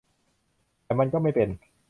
แต่มันก็ไม่เป็น